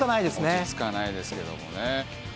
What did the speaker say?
落ち着かないですけどもね。